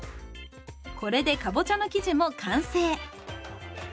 これでかぼちゃの生地も完成。